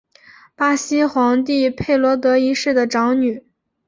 巴西皇帝佩德罗一世的长女。